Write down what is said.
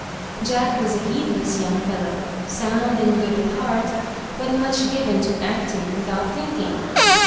Jack was a heedless young fellow, sound and good at heart, but much given to acting without thinking.